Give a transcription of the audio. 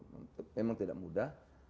memang tidak mudah